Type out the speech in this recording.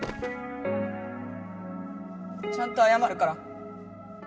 ちゃんとあやまるから。